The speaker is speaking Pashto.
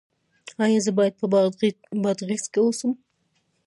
ایا زه باید په بادغیس کې اوسم؟